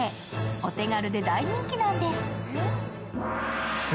お手軽で大人気なんです。